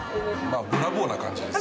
ブラボーな感じです。